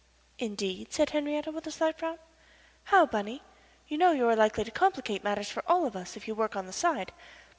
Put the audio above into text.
"Indeed?" said Henriette, with a slight frown. "How, Bunny? You know you are likely to complicate matters for all of us if you work on the side.